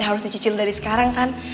harus dicicil dari sekarang kan